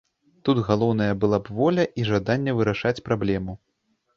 Тут галоўнае была б воля і жаданне вырашыць праблему.